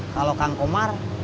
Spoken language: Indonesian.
kalau kang komar